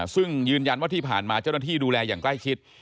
ซึ่งยืนยันว่าที่ผ่านมาเจ้าหน้าที่ดูแลอย่างใกล้ชิด